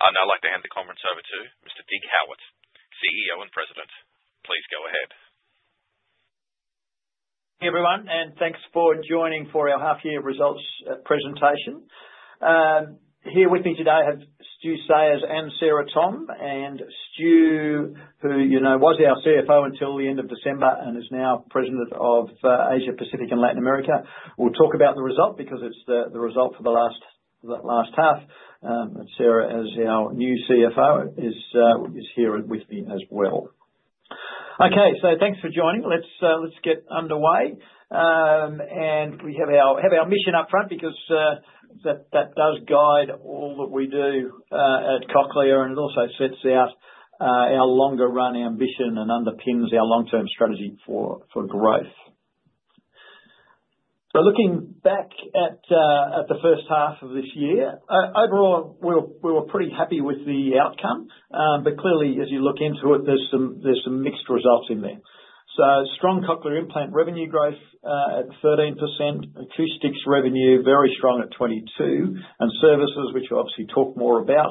I'd like to hand the conference over to Mr. Dig Howitt, CEO and President. Please go ahead. Hey, everyone, and thanks for joining for our half-year results presentation. Here with me today have Stu Sayers and Sarah Thom, and Stu, who was our CFO until the end of December and is now President of Asia-Pacific and Latin America, will talk about the result because it's the result for the last half. Sarah, as our new CFO, is here with me as well. Okay, so thanks for joining. Let's get underway, and we have our mission upfront because that does guide all that we do at Cochlear, and it also sets out our longer-run ambition and underpins our long-term strategy for growth, so looking back at the first half of this year, overall, we were pretty happy with the outcome, but clearly, as you look into it, there's some mixed results in there. Strong Cochlear implant revenue growth at 13%, acoustics revenue very strong at 22%, and services, which I'll obviously talk more about,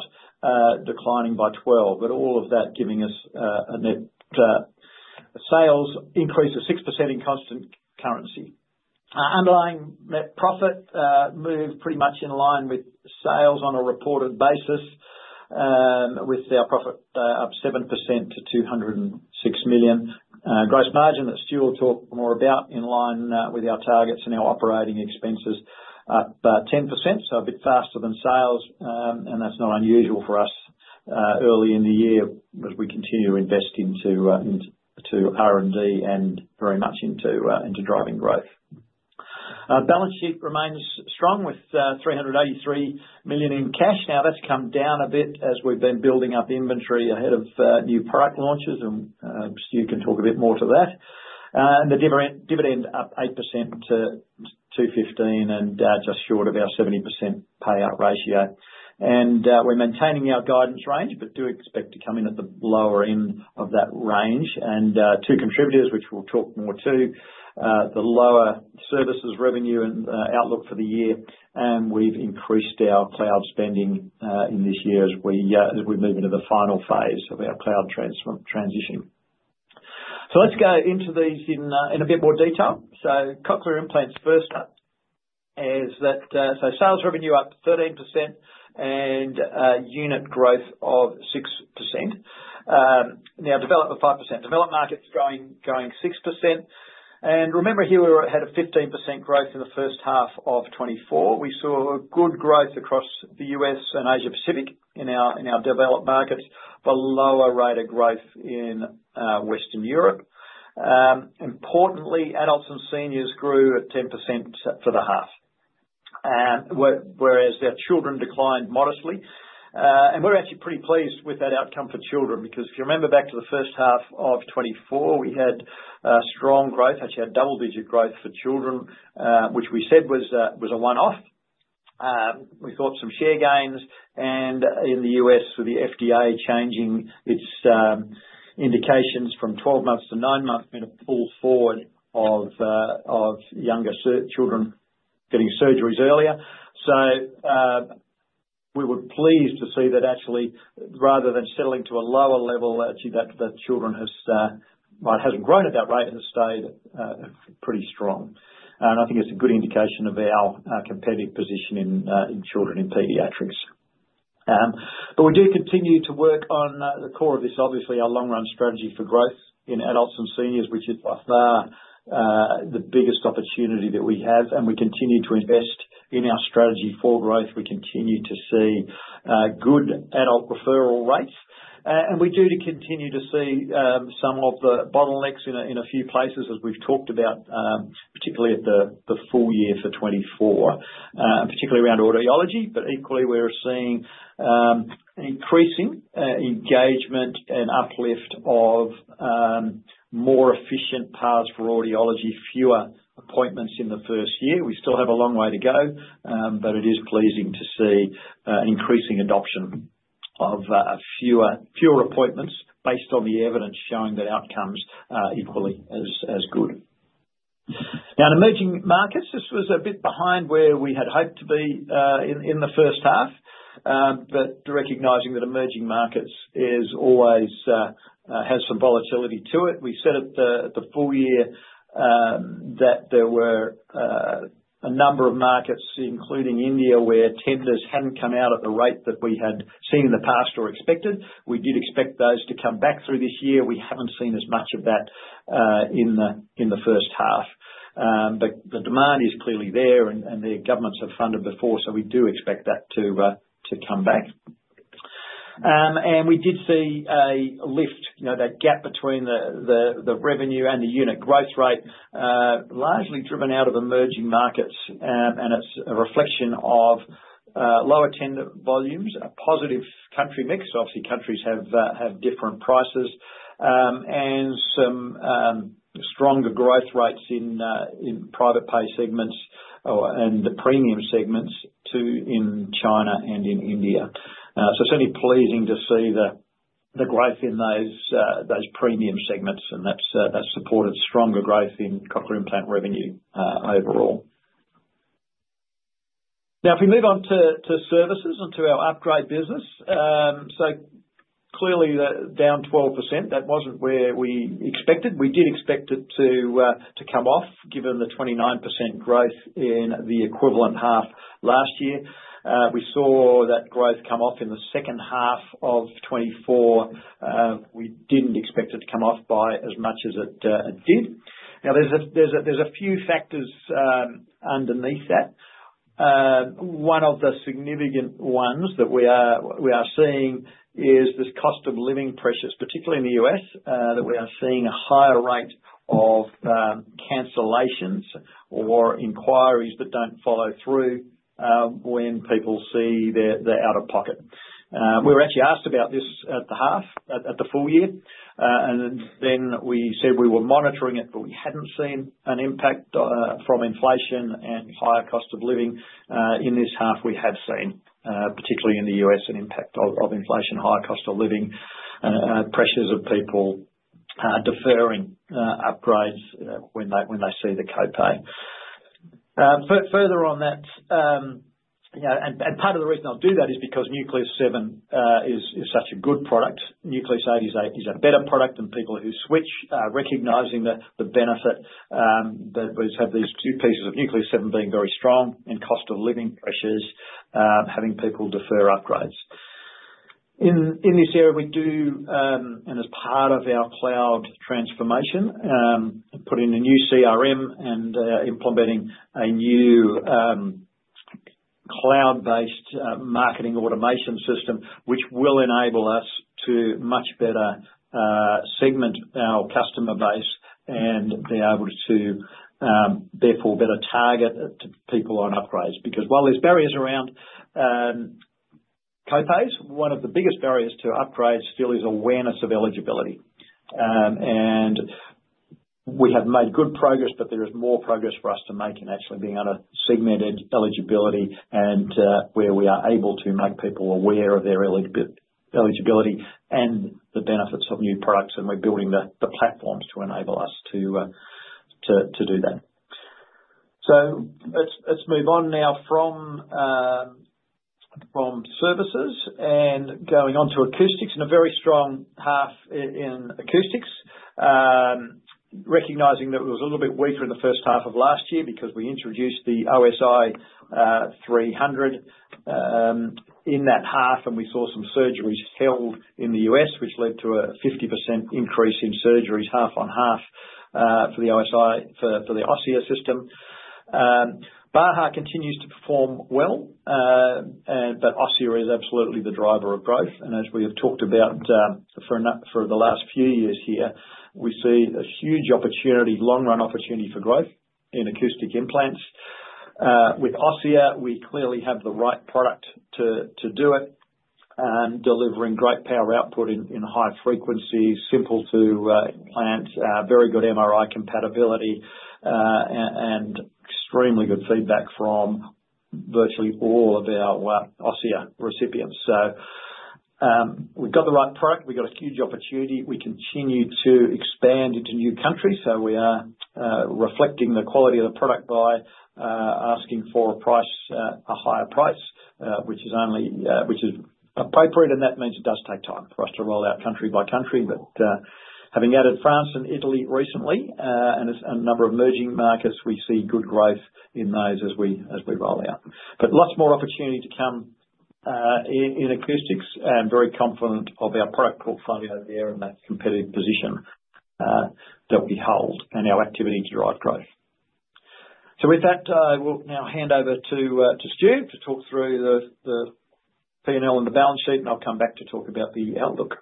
declining by 12%, but all of that giving us a net sales increase of 6% in constant currency. Underlying net profit moved pretty much in line with sales on a reported basis, with our profit up 7% to 206 million. Gross margin that Stu will talk more about in line with our targets and our operating expenses up 10%, so a bit faster than sales, and that's not unusual for us early in the year as we continue to invest into R&D and very much into driving growth. Balance sheet remains strong with 383 million in cash. Now, that's come down a bit as we've been building up inventory ahead of new product launches, and Stu can talk a bit more to that. And the dividend up 8% to 215 million and just short of our 70% payout ratio. And we're maintaining our guidance range, but do expect to come in at the lower end of that range. And two contributors, which we'll talk more to, the lower services revenue and outlook for the year, and we've increased our cloud spending in this year as we move into the final phase of our cloud transition. So let's go into these in a bit more detail. So Cochlear implants first up is that sales revenue up 13% and unit growth of 6%. Now, developing 5%. Developed markets going 6%. And remember, here we had a 15% growth in the first half of 2024. We saw good growth across the U.S. and Asia-Pacific in our developed markets, but lower rate of growth in Western Europe. Importantly, adults and seniors grew at 10% for the half, whereas their children declined modestly. And we're actually pretty pleased with that outcome for children because if you remember back to the first half of 2024, we had strong growth, actually had double-digit growth for children, which we said was a one-off. We thought some share gains. And in the U.S., with the FDA changing its indications from 12 months to nine months, made a pull forward of younger children getting surgeries earlier. So we were pleased to see that actually, rather than settling to a lower level, actually the children hasn't grown at that rate and has stayed pretty strong. And I think it's a good indication of our competitive position in children in pediatrics. But we do continue to work on the core of this, obviously, our long-run strategy for growth in adults and seniors, which is by far the biggest opportunity that we have. And we continue to invest in our strategy for growth. We continue to see good adult referral rates. And we do continue to see some of the bottlenecks in a few places, as we've talked about, particularly at the full year for 2024, particularly around audiology. But equally, we're seeing increasing engagement and uplift of more efficient paths for audiology, fewer appointments in the first year. We still have a long way to go, but it is pleasing to see increasing adoption of fewer appointments based on the evidence showing that outcomes equally as good. Now, in emerging markets, this was a bit behind where we had hoped to be in the first half, but recognizing that emerging markets has some volatility to it. We said at the full year that there were a number of markets, including India, where tenders hadn't come out at the rate that we had seen in the past or expected. We did expect those to come back through this year. We haven't seen as much of that in the first half, but the demand is clearly there, and the governments have funded before, so we do expect that to come back, and we did see a lift, that gap between the revenue and the unit growth rate, largely driven out of emerging markets, and it's a reflection of lower tender volumes, a positive country mix. Obviously, countries have different prices, and some stronger growth rates in private pay segments and the premium segments in China and in India. So certainly pleasing to see the growth in those premium segments, and that's supported stronger growth in Cochlear implant revenue overall. Now, if we move on to services and to our upgrade business, so clearly down 12%. That wasn't where we expected. We did expect it to come off, given the 29% growth in the equivalent half last year. We saw that growth come off in the second half of 2024. We didn't expect it to come off by as much as it did. Now, there's a few factors underneath that. One of the significant ones that we are seeing is this cost of living pressures, particularly in the U.S., that we are seeing a higher rate of cancellations or inquiries that don't follow through when people see they're out of pocket. We were actually asked about this at the half, at the full year, and then we said we were monitoring it, but we hadn't seen an impact from inflation and higher cost of living. In this half, we have seen, particularly in the U.S., an impact of inflation, higher cost of living, pressures of people deferring upgrades when they see the copay. Further on that, and part of the reason I'll do that is because Nucleus 7 is such a good product. Nucleus 8 is a better product than people who switch, recognizing the benefit that we have these two pieces of Nucleus 7 being very strong in cost of living pressures, having people defer upgrades. In this area, we do, and as part of our cloud transformation, put in a new CRM and implementing a new cloud-based marketing automation system, which will enable us to much better segment our customer base and be able to therefore better target people on upgrades. Because while there's barriers around copays, one of the biggest barriers to upgrades still is awareness of eligibility, and we have made good progress, but there is more progress for us to make in actually being able to segment eligibility and where we are able to make people aware of their eligibility and the benefits of new products, and we're building the platforms to enable us to do that. So let's move on now from services and going on to acoustics in a very strong half in acoustics, recognizing that it was a little bit weaker in the first half of last year because we introduced the OSI 300 in that half, and we saw some surgeries held in the U.S., which led to a 50% increase in surgeries, half on half for the OSI, for the Osia system. Baha continues to perform well, but Osia is absolutely the driver of growth. And as we have talked about for the last few years here, we see a huge opportunity, long-run opportunity for growth in acoustic implants. With Osia, we clearly have the right product to do it, delivering great power output in high frequencies, simple to implant, very good MRI compatibility, and extremely good feedback from virtually all of our Osia recipients. So we've got the right product. We've got a huge opportunity. We continue to expand into new countries, so we are reflecting the quality of the product by asking for a higher price, which is appropriate, and that means it does take time for us to roll out country by country. But having added France and Italy recently and a number of emerging markets, we see good growth in those as we roll out. But lots more opportunity to come in acoustics, and very confident of our product portfolio there and that competitive position that we hold and our activity to drive growth. So with that, I will now hand over to Stu to talk through the P&L and the balance sheet, and I'll come back to talk about the outlook.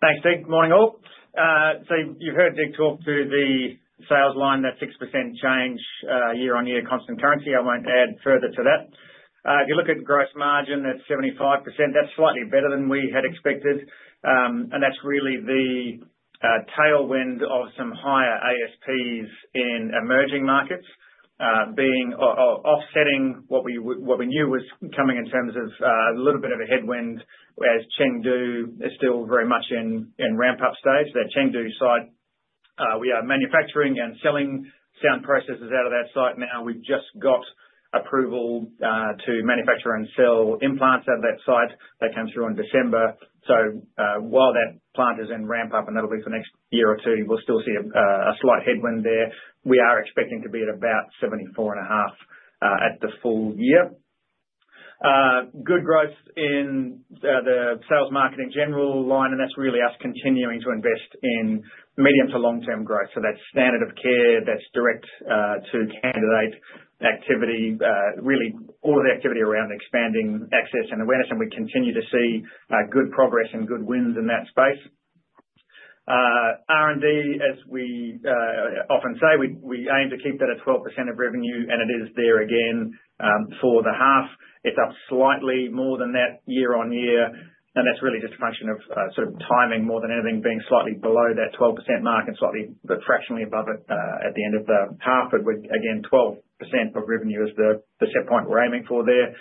Thanks, Dig. Good morning, all. So you've heard Dig talk through the sales line, that 6% change year-on-year constant currency. I won't add further to that. If you look at gross margin, that's 75%. That's slightly better than we had expected, and that's really the tailwind of some higher ASPs in emerging markets, offsetting what we knew was coming in terms of a little bit of a headwind, whereas Chengdu is still very much in ramp-up stage. That Chengdu site, we are manufacturing and selling sound processors out of that site now. We've just got approval to manufacture and sell implants out of that site. They come through in December. So while that plant is in ramp-up, and that'll be for the next year or two, we'll still see a slight headwind there. We are expecting to be at about 74.5% at the full year. Good growth in the sales, marketing in general, and that's really us continuing to invest in medium to long-term growth, so that's standard of care. That's direct-to-consumer activity, really all of the activity around expanding access and awareness, and we continue to see good progress and good wins in that space. R&D, as we often say, we aim to keep that at 12% of revenue, and it is there again for the half. It's up slightly more than that year-on-year, and that's really just a function of sort of timing more than anything, being slightly below that 12% mark and slightly but fractionally above it at the end of the half. Again, 12% of revenue is the set point we're aiming for there.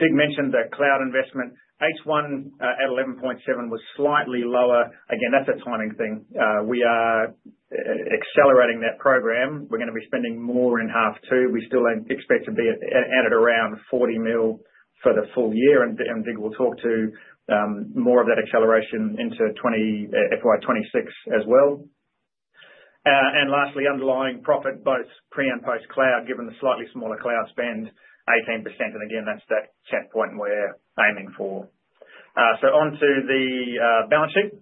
Dig mentioned that cloud investment. H1 at 11.7% was slightly lower. Again, that's a timing thing. We are accelerating that program. We're going to be spending more in half two. We still expect to be at it around 40 million for the full year, and Dig will talk to more of that acceleration into FY 2026 as well. And lastly, underlying profit, both pre and post-cloud, given the slightly smaller cloud spend, 18%. And again, that's that checkpoint we're aiming for. So onto the balance sheet.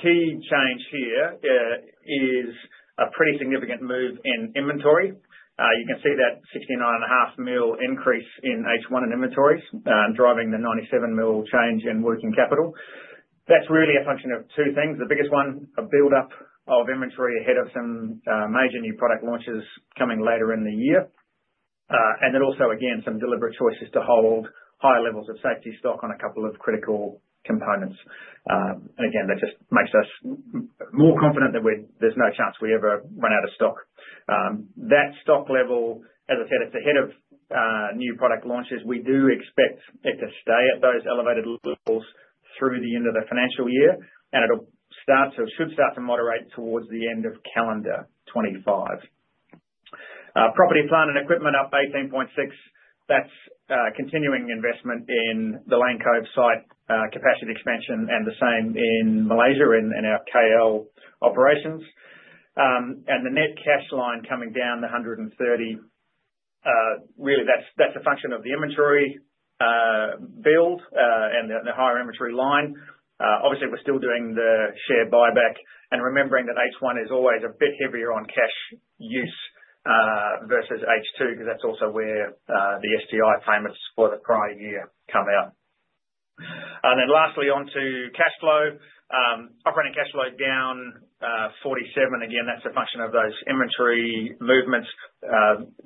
Key change here is a pretty significant move in inventory. You can see that 69.5 million increase in H1 and inventories driving the 97 million change in working capital. That's really a function of two things. The biggest one, a build-up of inventory ahead of some major new product launches coming later in the year. And then also, again, some deliberate choices to hold high levels of safety stock on a couple of critical components. And again, that just makes us more confident that there's no chance we ever run out of stock. That stock level, as I said, it's ahead of new product launches. We do expect it to stay at those elevated levels through the end of the financial year, and it'll start to, should start to moderate towards the end of calendar 2025. Property, plant and equipment up 18.6%. That's continuing investment in the Lane Cove site capacity expansion and the same in Malaysia and our KL operations. And the net cash line coming down to 130 million. Really, that's a function of the inventory build and the higher inventory line. Obviously, we're still doing the share buyback and remembering that H1 is always a bit heavier on cash use versus H2 because that's also where the STI payments for the prior year come out. And then lastly, onto cash flow. Operating cash flow down 47%. Again, that's a function of those inventory movements.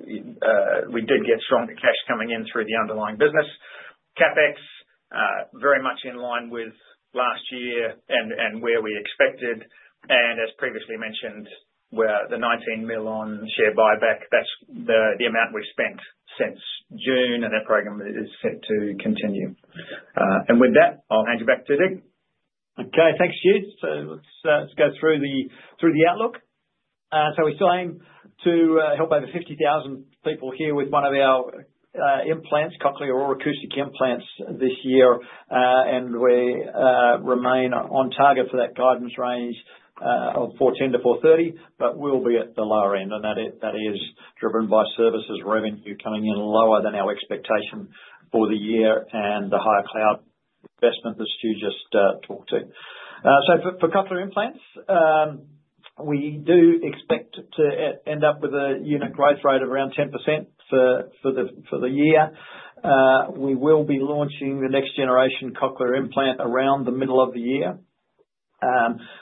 We did get stronger cash coming in through the underlying business. CapEx, very much in line with last year and where we expected. And as previously mentioned, the 19 million on share buyback, that's the amount we've spent since June, and that program is set to continue. And with that, I'll hand you back to Dig. Okay, thanks, Stu. So let's go through the outlook. So we're still aiming to help over 50,000 people here with one of our implants, Cochlear or acoustic implants this year. And we remain on target for that guidance range of 14 to 430, but we'll be at the lower end, and that is driven by services revenue coming in lower than our expectation for the year and the higher cloud investment that Stu just talked to. So for Cochlear implants, we do expect to end up with a unit growth rate of around 10% for the year. We will be launching the next generation Cochlear implant around the middle of the year.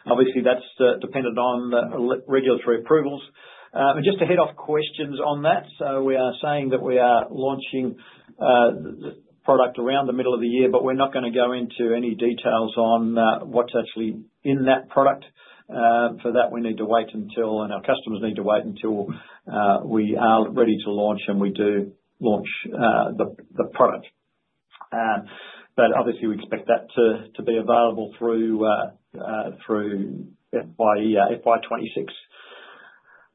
Obviously, that's dependent on regulatory approvals. And just to head off questions on that, so we are saying that we are launching the product around the middle of the year, but we're not going to go into any details on what's actually in that product. For that, we need to wait until, and our customers need to wait until we are ready to launch and we do launch the product. But obviously, we expect that to be available through FY 2026.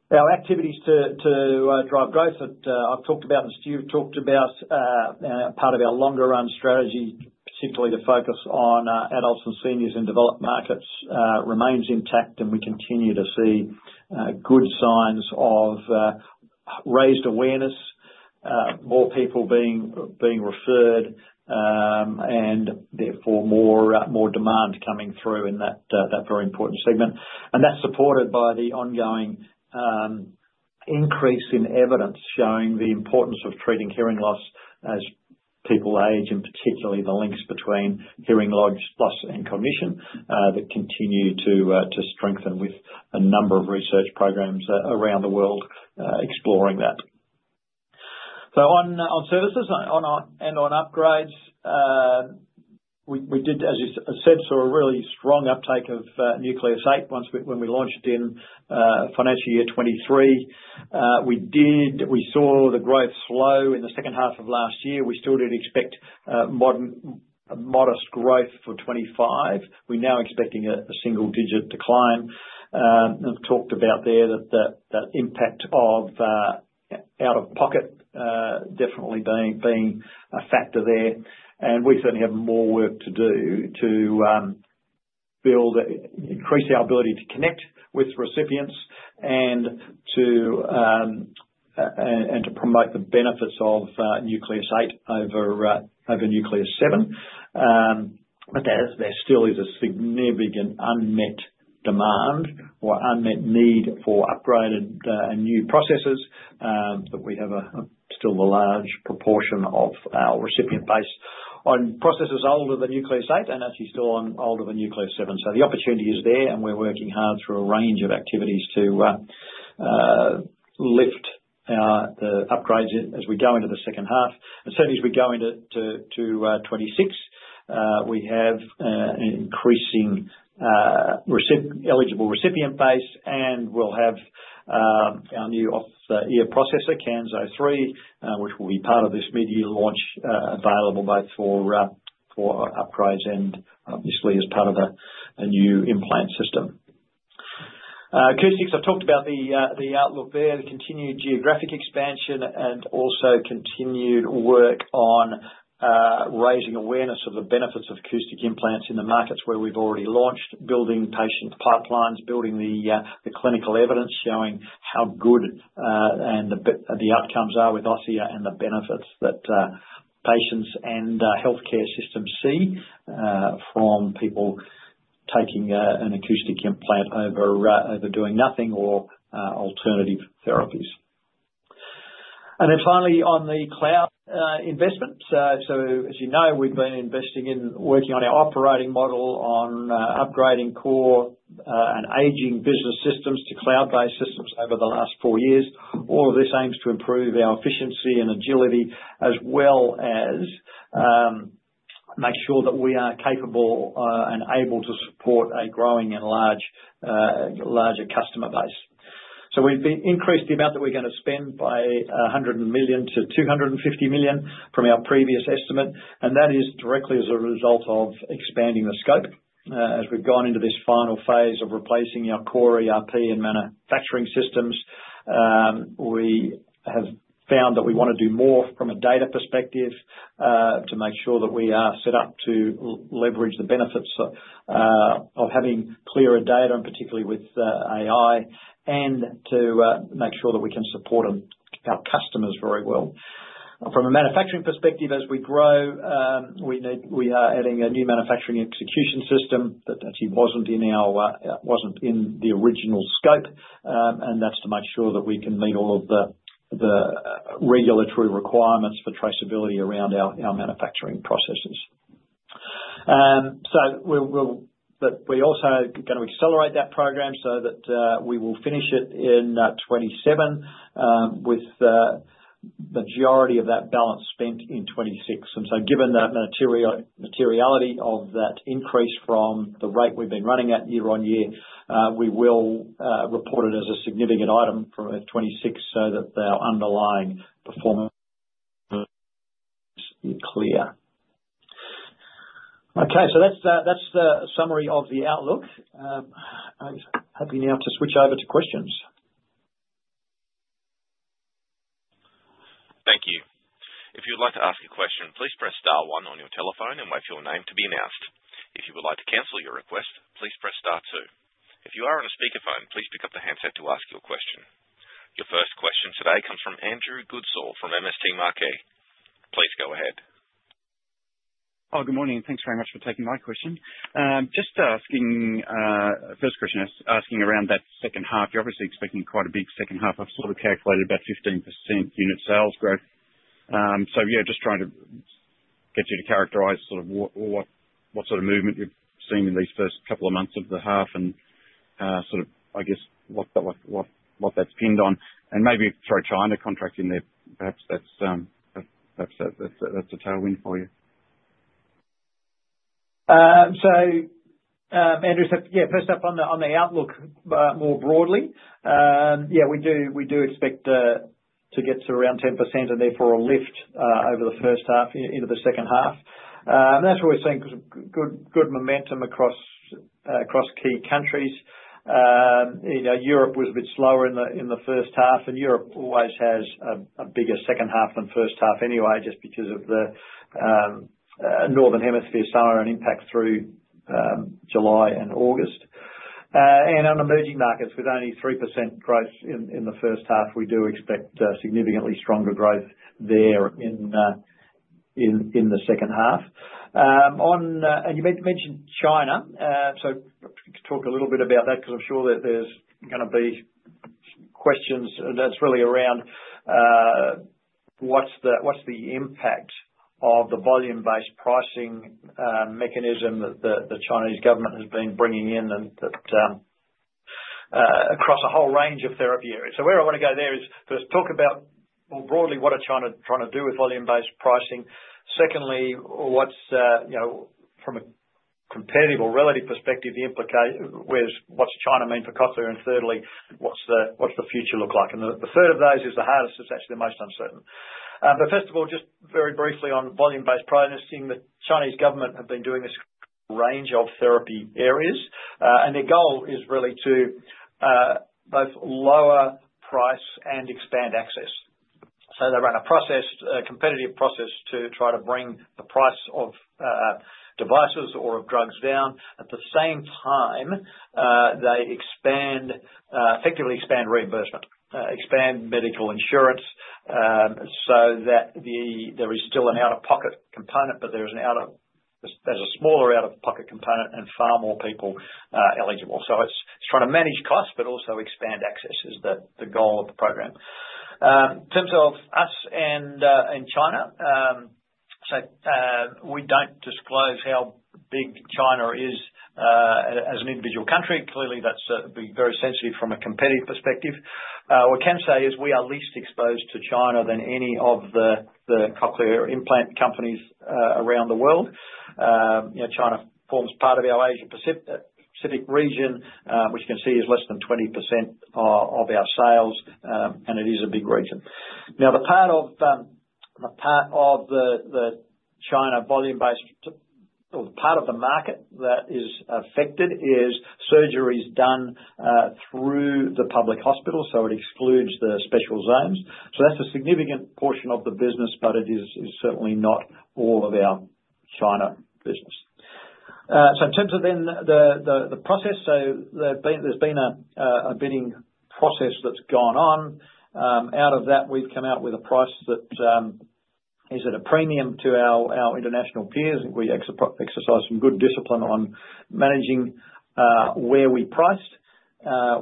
Our activities to drive growth that I've talked about and Stu talked about, part of our longer-run strategy, particularly to focus on adults and seniors in developed markets, remains intact, and we continue to see good signs of raised awareness, more people being referred, and therefore more demand coming through in that very important segment. That's supported by the ongoing increase in evidence showing the importance of treating hearing loss as people age, and particularly the links between hearing loss and cognition that continue to strengthen with a number of research programs around the world exploring that. So on services and on upgrades, we did, as you said, saw a really strong uptake of Nucleus 8 when we launched in financial year 2023. We saw the growth slow in the second half of last year. We still did expect modest growth for 2025. We're now expecting a single-digit decline. I've talked about there that that impact of out-of-pocket definitely being a factor there. And we certainly have more work to do to increase our ability to connect with recipients and to promote the benefits of Nucleus 8 over Nucleus 7. But there still is a significant unmet demand or unmet need for upgraded and new processors that we have still a large proportion of our recipient base on processors older than Nucleus 8 and actually still older than Nucleus 7. So the opportunity is there, and we're working hard through a range of activities to lift the upgrades as we go into the second half. And certainly, as we go into 2026, we have an increasing eligible recipient base, and we'll have our new off-the-ear processor, Kanso 3, which will be part of this mid-year launch available both for upgrades and obviously as part of a new implant system. Acoustics. I've talked about the outlook there, the continued geographic expansion, and also continued work on raising awareness of the benefits of acoustic implants in the markets where we've already launched, building patient pipelines, building the clinical evidence showing how good the outcomes are with Osia and the benefits that patients and healthcare systems see from people taking an acoustic implant over doing nothing or alternative therapies. And then finally, on the cloud investments. So as you know, we've been investing in working on our operating model on upgrading core and aging business systems to cloud-based systems over the last four years. All of this aims to improve our efficiency and agility as well as make sure that we are capable and able to support a growing and larger customer base. We've increased the amount that we're going to spend by 100 million-250 million from our previous estimate, and that is directly as a result of expanding the scope. As we've gone into this final phase of replacing our core ERP and manufacturing systems, we have found that we want to do more from a data perspective to make sure that we are set up to leverage the benefits of having clearer data, and particularly with AI, and to make sure that we can support our customers very well. From a manufacturing perspective, as we grow, we are adding a new manufacturing execution system that actually wasn't in the original scope, and that's to make sure that we can meet all of the regulatory requirements for traceability around our manufacturing processes. But we're also going to accelerate that program so that we will finish it in 2027 with the majority of that balance spent in 2026. And so given the materiality of that increase from the rate we've been running at year-on-year, we will report it as a significant item for 2026 so that our underlying performance is clear. Okay, so that's the summary of the outlook. I'm happy now to switch over to questions. Thank you. If you'd like to ask a question, please press star one on your telephone and wait for your name to be announced. If you would like to cancel your request, please press star two. If you are on a speakerphone, please pick up the handset to ask your question. Your first question today comes from Andrew Goodsall from MST Marquee. Please go ahead. Hi, good morning. Thanks very much for taking my question. Just asking, first question is asking around that second half. You're obviously expecting quite a big second half. I've sort of calculated about 15% unit sales growth. So yeah, just trying to get you to characterize sort of what sort of movement you're seeing in these first couple of months of the half and sort of, I guess, what that's pinned on. And maybe through China contracting there, perhaps that's a tailwind for you. Andrew said, yeah, first up on the outlook more broadly, yeah, we do expect to get to around 10% and therefore a lift over the first half into the second half. And that's what we're seeing because of good momentum across key countries. Europe was a bit slower in the first half, and Europe always has a bigger second half than first half anyway, just because of the northern hemisphere summer and impact through July and August. And on emerging markets, with only 3% growth in the first half, we do expect significantly stronger growth there in the second half. And you mentioned China, so talk a little bit about that because I'm sure that there's going to be questions. That's really around what's the impact of the volume-based procurement mechanism that the Chinese government has been bringing in across a whole range of therapy areas. So where I want to go there is first talk about more broadly what are China trying to do with volume-based pricing. Secondly, what's from a competitive or relative perspective, where's what China mean for Cochlear? And thirdly, what's the future look like? And the third of those is the hardest. It's actually the most uncertain. But first of all, just very briefly on volume-based pricing, the Chinese government have been doing this range of therapy areas, and their goal is really to both lower price and expand access. So they run a competitive process to try to bring the price of devices or of drugs down. At the same time, they effectively expand reimbursement, expand medical insurance so that there is still an out-of-pocket component, but there's a smaller out-of-pocket component and far more people eligible. It's trying to manage costs, but also expand access is the goal of the program. In terms of us and China, we don't disclose how big China is as an individual country. Clearly, that's very sensitive from a competitive perspective. What we can say is we are least exposed to China than any of the Cochlear implant companies around the world. China forms part of our Asia-Pacific region, which you can see is less than 20% of our sales, and it is a big region. Now, the part of the China volume-based or the part of the market that is affected is surgeries done through the public hospital, so it excludes the special zones. So that's a significant portion of the business, but it is certainly not all of our China business. In terms of then the process, there's been a bidding process that's gone on. Out of that, we've come out with a price that is at a premium to our international peers. We exercise some good discipline on managing where we priced.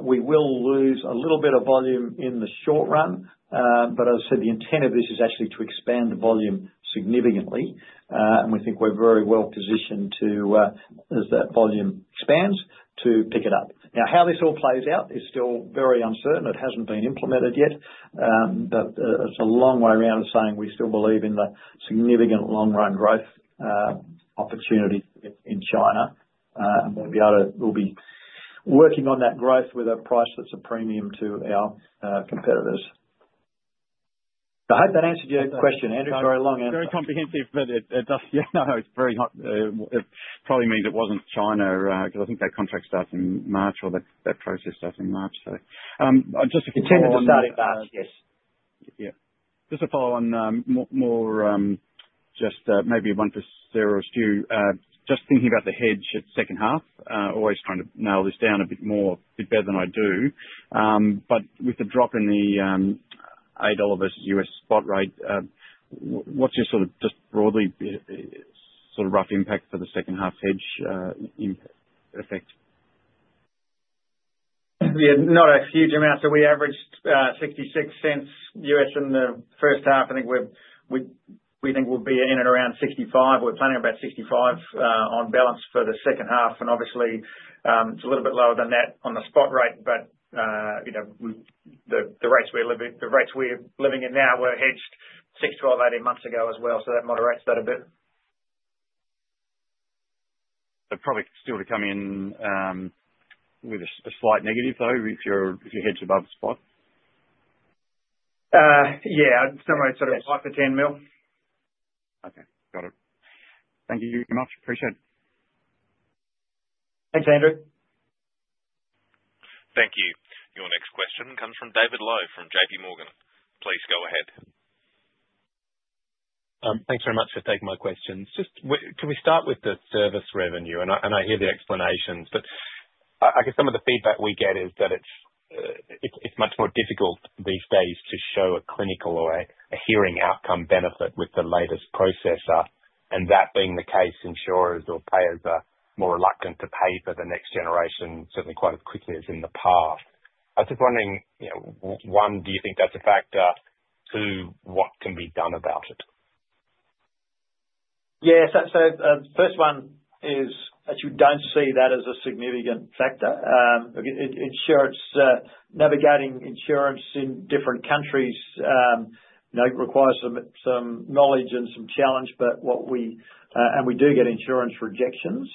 We will lose a little bit of volume in the short run, but as I said, the intent of this is actually to expand volume significantly, and we think we're very well positioned as that volume expands to pick it up. Now, how this all plays out is still very uncertain. It hasn't been implemented yet, but it's a long way around of saying we still believe in the significant long-run growth opportunity in China, and we'll be working on that growth with a price that's a premium to our competitors. I hope that answered your question, Andrew. Very long answer. Very comprehensive, but it does yeah, no, no, it's very hot. It probably means it wasn't China because I think that contract starts in March or that process starts in March, so. Intended to start in March, yes. Yeah. Just a follow-on, more just maybe one for Sarah or Stu, just thinking about the hedge at second half, always trying to nail this down a bit better than I do. But with the drop in the AUD versus U.S. spot rate, what's your sort of just broadly sort of rough impact for the second half hedge effect? We have not a huge amount, so we averaged 0.66 in the first half. I think we think we'll be in and around 0.65. We're planning about 0.65 on balance for the second half, and obviously, it's a little bit lower than that on the spot rate, but the rates we're living in now were hedged six, 12, 18 months ago as well, so that moderates that a bit. So probably still to come in with a slight negative, though, if you're hedged above the spot? Yeah, somewhere sort of AUD 5 million- 10 million. Okay. Got it. Thank you very much. Appreciate it. Thanks, Andrew. Thank you. Your next question comes from David Low from JPMorgan. Please go ahead. Thanks very much for taking my questions. Can we start with the service revenue? And I hear the explanations, but I guess some of the feedback we get is that it's much more difficult these days to show a clinical or a hearing outcome benefit with the latest processor. And that being the case, insurers or payers are more reluctant to pay for the next generation certainly quite as quickly as in the past. I was just wondering, one, do you think that's a factor? Two, what can be done about it? Yeah, so first one is actually we don't see that as a significant factor. Navigating insurance in different countries requires some knowledge and some challenge, and we do get insurance rejections,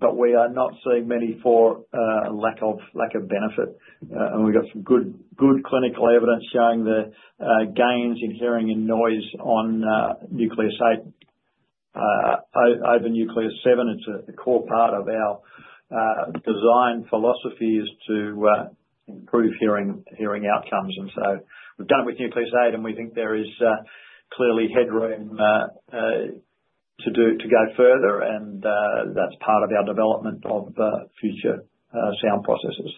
but we are not seeing many for lack of benefit, and we've got some good clinical evidence showing the gains in hearing and noise on Nucleus 8 over Nucleus 7, it's a core part of our design philosophy is to improve hearing outcomes, so we've done it with Nucleus 8, and we think there is clearly headroom to go further, and that's part of our development of future sound processors.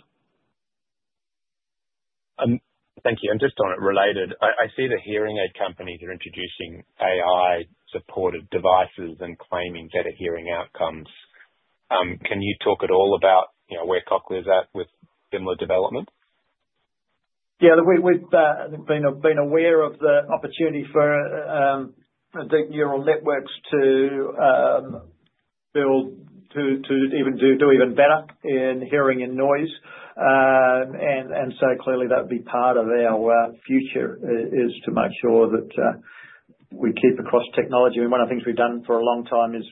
Thank you and just on it related, I see the hearing aid companies are introducing AI-supported devices and claiming better hearing outcomes. Can you talk at all about where Cochlear is at with similar development? Yeah. We've been aware of the opportunity for neural networks to even do even better in hearing and noise. And so clearly, that would be part of our future is to make sure that we keep across technology. I mean, one of the things we've done for a long time is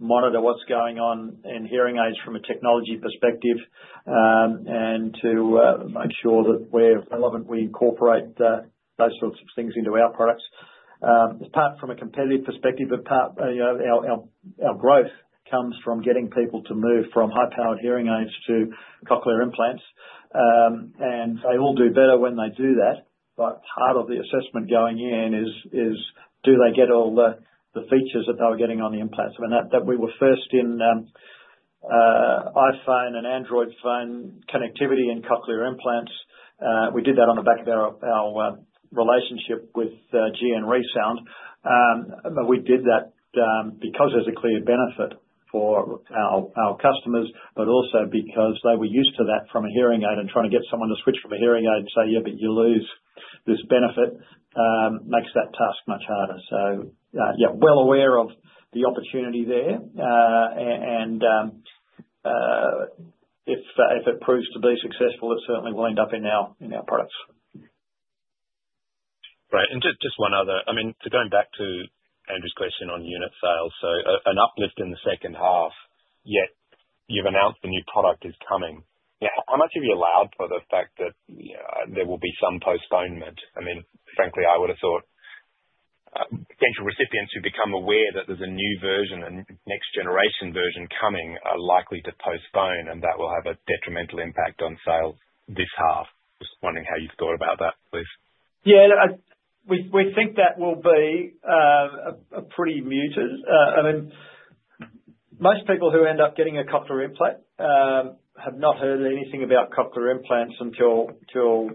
monitor what's going on in hearing aids from a technology perspective and to make sure that we're relevant. We incorporate those sorts of things into our products. Apart from a competitive perspective, our growth comes from getting people to move from high-powered hearing aids to Cochlear implants. And they all do better when they do that, but part of the assessment going in is, do they get all the features that they were getting on the implants? I mean, we were first in iPhone and Android phone connectivity in Cochlear implants. We did that on the back of our relationship with GN ReSound. We did that because there's a clear benefit for our customers, but also because they were used to that from a hearing aid and trying to get someone to switch from a hearing aid and say, yeah, but you lose this benefit, makes that task much harder. So yeah, well aware of the opportunity there. And if it proves to be successful, it certainly will end up in our products. Right. And just one other, I mean, so going back to Andrew's question on unit sales, so an uplift in the second half, yet you've announced the new product is coming. Yeah. How much have you allowed for the fact that there will be some postponement? I mean, frankly, I would have thought potential recipients who become aware that there's a new version, a next-generation version coming, are likely to postpone, and that will have a detrimental impact on sales this half. Just wondering how you've thought about that, please. Yeah. We think that will be pretty muted. I mean, most people who end up getting a Cochlear implant have not heard anything about Cochlear implants until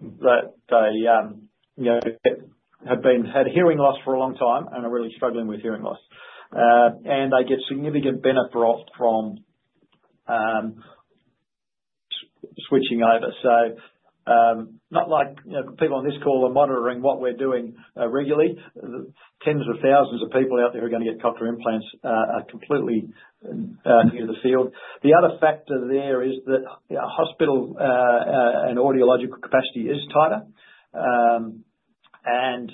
they have had hearing loss for a long time and are really struggling with hearing loss, and they get significant benefit from switching over, so not like people on this call are monitoring what we're doing regularly. Tens of thousands of people out there who are going to get Cochlear implants are completely new to the field. The other factor there is that hospital and audiological capacity is tighter, and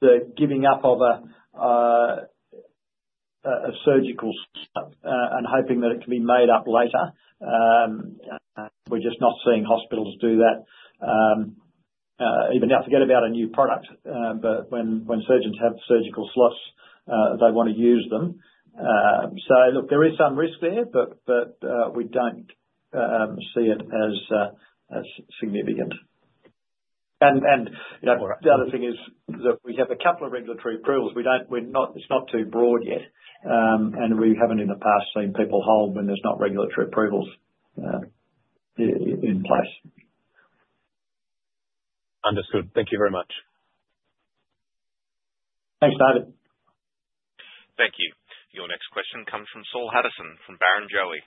the giving up of a surgical slot and hoping that it can be made up later. We're just not seeing hospitals do that. Even now, forget about a new product, but when surgeons have surgical slots, they want to use them. So look, there is some risk there, but we don't see it as significant. And the other thing is that we have a couple of regulatory approvals. It's not too broad yet, and we haven't in the past seen people hold when there's not regulatory approvals in place. Understood. Thank you very much. Thanks, David. Thank you. Your next question comes from Saul Hadassin from Barrenjoey.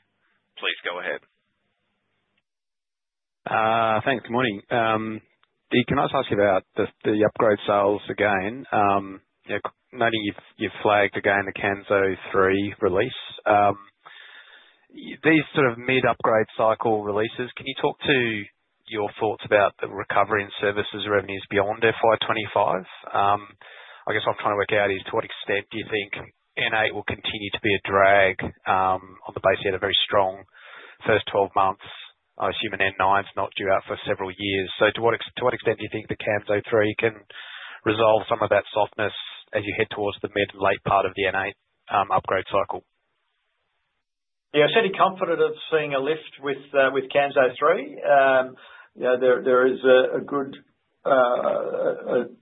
Please go ahead. Thanks. Good morning. Dig, can I just ask you about the upgrade sales again? Noting you've flagged again the Kanso 3 release. These sort of mid-upgrade cycle releases, can you talk to your thoughts about the recovery and services revenues beyond FY 2025? I guess what I'm trying to work out is to what extent do you think N8 will continue to be a drag on the basis of a very strong first 12 months? I assume an N9's not due out for several years. So to what extent do you think the Kanso 3 can resolve some of that softness as you head towards the mid and late part of the N8 upgrade cycle? Yeah. I'm certainly confident of seeing a lift with Kanso 3. There is a good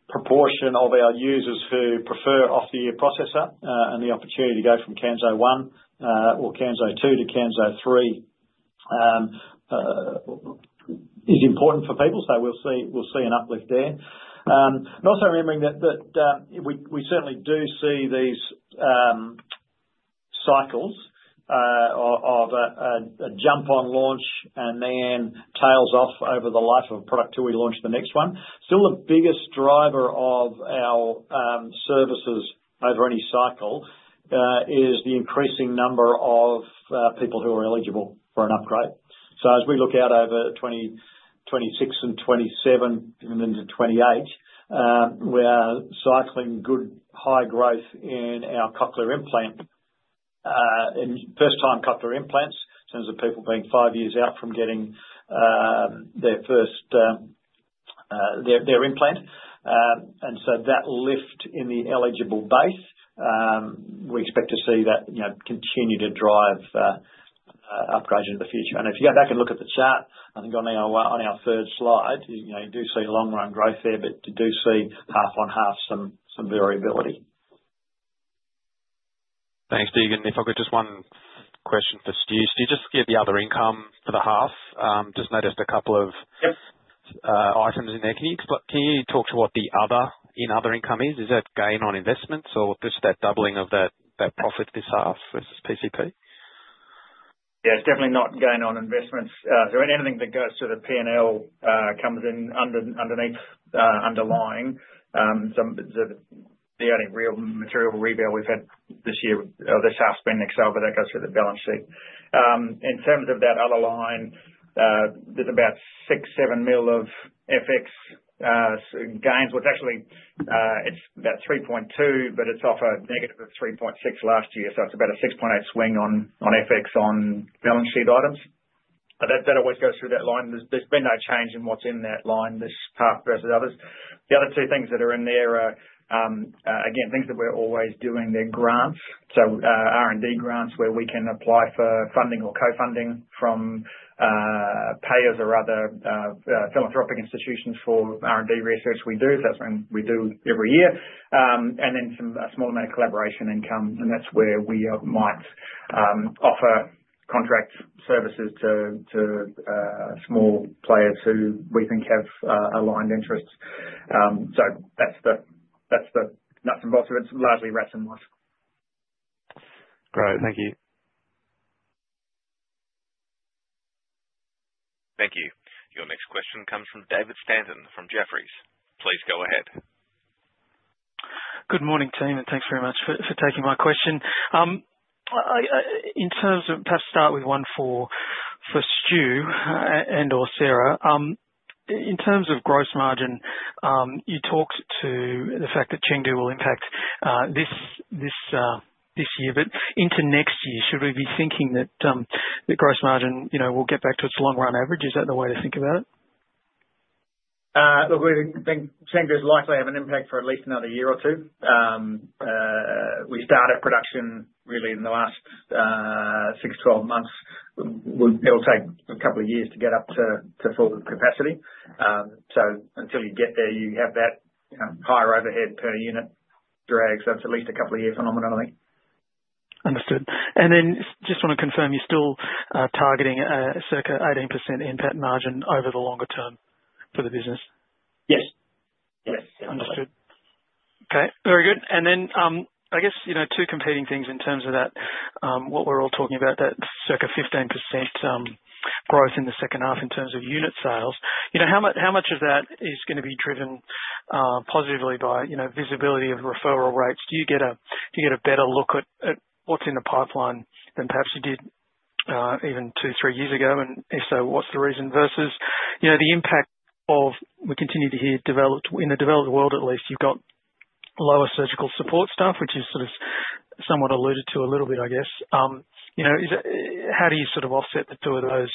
proportion of our users who prefer off-the-ear processor, and the opportunity to go from Kanso 1 or Kanso 2 to Kanso 3 is important for people, so we'll see an uplift there. And also remembering that we certainly do see these cycles of a jump on launch and then tails off over the life of a product till we launch the next one. Still, the biggest driver of our services over any cycle is the increasing number of people who are eligible for an upgrade. So as we look out over 2026 and 2027, even into 2028, we're cycling good high growth in our first-time Cochlear implants in terms of people being five years out from getting their first implant. And so that lift in the eligible base, we expect to see that continue to drive upgrades in the future. And if you go back and look at the chart, I think on our third slide, you do see long-run growth there, but you do see half-on-half some variability. Thanks, Dig. And if I've got just one question for Stu, Stu just gave the other income for the half. Just noticed a couple of items in there. Can you talk to what the other income is? Is it gain on investments or just that doubling of that profit this half versus PCP? Yeah. It's definitely not gain on investments. So anything that goes to the P&L comes in underneath underlying. So the only real material rebate we've had this year or this half's been Excel, but that goes through the balance sheet. In terms of that other line, there's about 6 million-7 million of FX gains. It's about 3.2 million, but it's off a negative of 3.6 million last year, so it's about a 6.8 million swing on FX on balance sheet items. But that always goes through that line. There's been no change in what's in that line this half versus others. The other two things that are in there, again, things that we're always doing, they're grants. So R&D grants where we can apply for funding or co-funding from payers or other philanthropic institutions for R&D research we do, and we do every year. And then some small amount of collaboration income, and that's where we might offer contract services to small players who we think have aligned interests. So that's the nuts and bolts. It's largely rats and mice. Great. Thank you. Thank you. Your next question comes from David Stanton from Jefferies. Please go ahead. Good morning, team, and thanks very much for taking my question. In terms of perhaps start with one for Stu and/or Sarah, in terms of gross margin, you talked to the fact that Chengdu will impact this year, but into next year, should we be thinking that gross margin will get back to its long-run average? Is that the way to think about it? Look, we think Chengdu's likely to have an impact for at least another year or two. We started production really in the last six, 12 months. It'll take a couple of years to get up to full capacity. So until you get there, you have that higher overhead per unit drag, so it's at least a couple of years financially. Understood, and then just want to confirm, you're still targeting circa 18% EBIT margin over the longer term for the business? Yes. Yes. Understood. Okay. Very good. And then I guess two competing things in terms of that, what we're all talking about, that circa 15% growth in the second half in terms of unit sales. How much of that is going to be driven positively by visibility of referral rates? Do you get a better look at what's in the pipeline than perhaps you did even two, three years ago? And if so, what's the reason? Versus the impact of, we continue to hear, in the developed world at least, you've got lower surgical support staff, which you've sort of somewhat alluded to a little bit, I guess. How do you sort of offset the two of those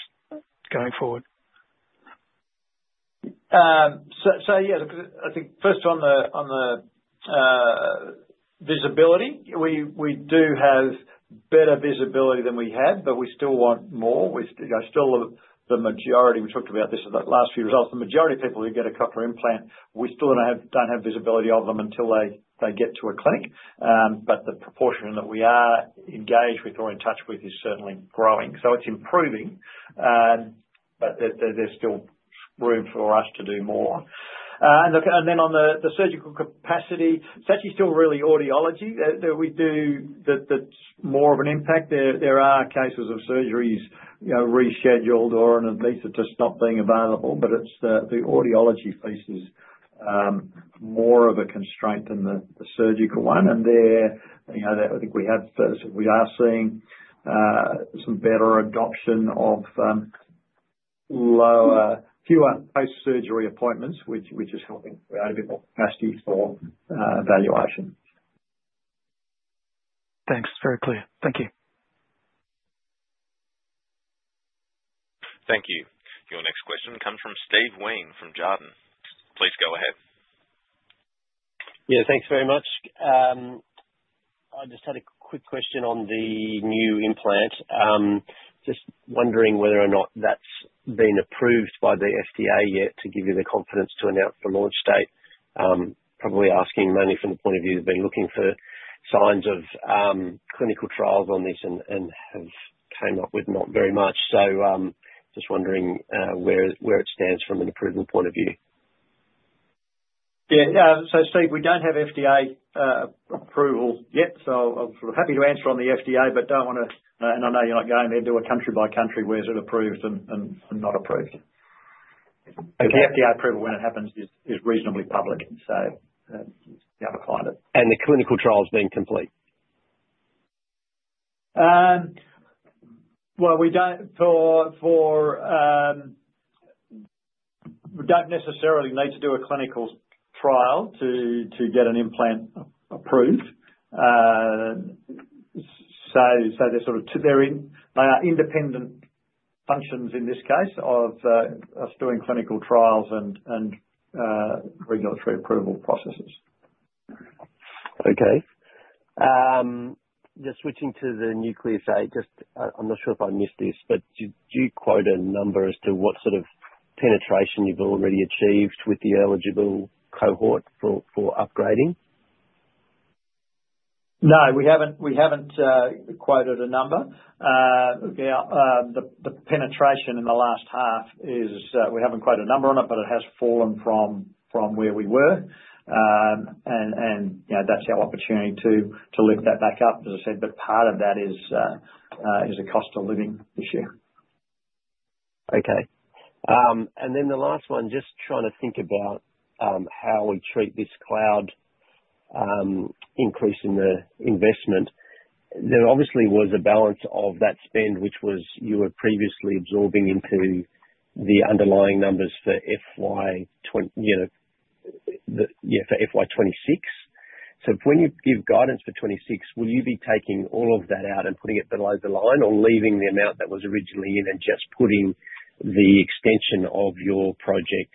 going forward? So yeah, look, I think first on the visibility, we do have better visibility than we had, but we still want more. Still, the majority we talked about this in the last few results, the majority of people who get a Cochlear implant, we still don't have visibility of them until they get to a clinic. But the proportion that we are engaged with or in touch with is certainly growing. So it's improving, but there's still room for us to do more. And then on the surgical capacity, it's actually still really audiology. We do that's more of an impact. There are cases of surgeries rescheduled or at least it just stopped being available, but it's the audiology faces more of a constraint than the surgical one. I think we are seeing some better adoption of fewer post-surgery appointments, which is helping create a bit more capacity for evaluation. Thanks. Very clear. Thank you. Thank you. Your next question comes from Steve Wheen from Jarden. Please go ahead. Yeah. Thanks very much. I just had a quick question on the new implant. Just wondering whether or not that's been approved by the FDA yet to give you the confidence to announce the launch date? Probably asking mainly from the point of view of being looking for signs of clinical trials on this and have come up with not very much. So just wondering where it stands from an approval point of view? Yeah. So Steve, we don't have FDA approval yet, so I'm sort of happy to answer on the FDA, but don't want to and I know you're not going there to do a country-by-country where it's approved and not approved. The FDA approval, when it happens, is reasonably public, so you have to find it. The clinical trial's been complete? We don't necessarily need to do a clinical trial to get an implant approved. They're sort of independent functions in this case of us doing clinical trials and regulatory approval processes. Okay. Just switching to the Nucleus, just I'm not sure if I missed this, but did you quote a number as to what sort of penetration you've already achieved with the eligible cohort for upgrading? No, we haven't quoted a number. The penetration in the last half is we haven't quoted a number on it, but it has fallen from where we were, and that's our opportunity to lift that back up, as I said, but part of that is a cost of living issue. Okay, and then the last one, just trying to think about how we treat this cloud increase in the investment. There obviously was a balance of that spend, which you were previously absorbing into the underlying numbers for FY 2026, so when you give guidance for 2026, will you be taking all of that out and putting it below the line or leaving the amount that was originally in and just putting the extension of your project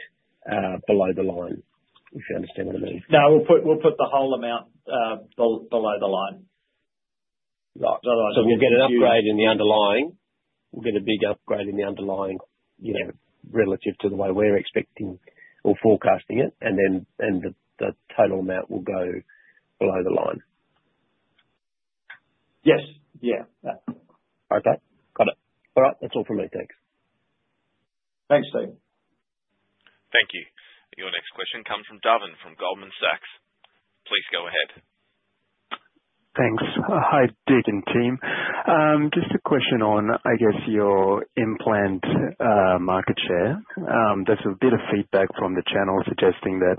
below the line? If you understand what I mean. No, we'll put the whole amount below the line. Right. So we'll get an upgrade in the underlying. We'll get a big upgrade in the underlying relative to the way we're expecting or forecasting it, and then the total amount will go below the line. Yes. Yeah. Okay. Got it. All right. That's all from me. Thanks. Thanks, Steve. Thank you. Your next question comes from Dani from Goldman Sachs. Please go ahead. Thanks. Hi, Dig and team. Just a question on, I guess, your implant market share. There's a bit of feedback from the channel suggesting that